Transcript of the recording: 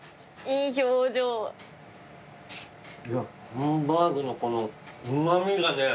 いやハンバーグのこのうま味がね